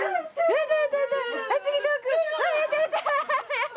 やった！